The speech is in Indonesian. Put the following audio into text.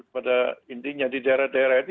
pada intinya di daerah daerah ini